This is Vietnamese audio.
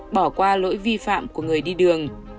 bỏ qua lỗi vi phạm của người đi đường